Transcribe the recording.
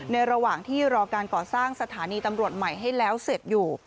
ระหว่างที่รอการก่อสร้างสถานีตำรวจใหม่ให้แล้วเสร็จอยู่